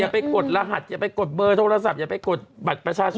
ไปกดรหัสอย่าไปกดเบอร์โทรศัพท์อย่าไปกดบัตรประชาชน